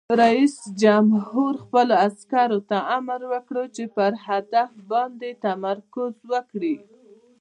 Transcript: رئیس جمهور خپلو عسکرو ته امر وکړ؛ پر هدف باندې تمرکز وکړئ!